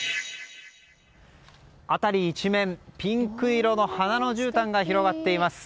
辺り一面ピンク色の花のじゅうたんが広がっています。